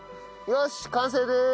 よし完成です！